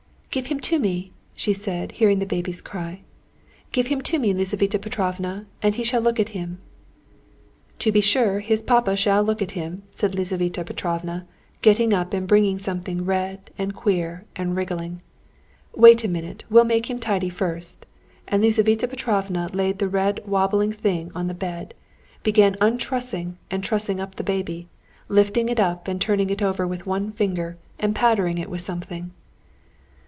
"Give him to me," she said, hearing the baby's cry. "Give him to me, Lizaveta Petrovna, and he shall look at him." "To be sure, his papa shall look at him," said Lizaveta Petrovna, getting up and bringing something red, and queer, and wriggling. "Wait a minute, we'll make him tidy first," and Lizaveta Petrovna laid the red wobbling thing on the bed, began untrussing and trussing up the baby, lifting it up and turning it over with one finger and powdering it with something.